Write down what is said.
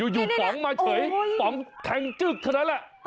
อยู่ป๋องมาเฉยป๋องแทงจึ๊กเท่านั้นแหละ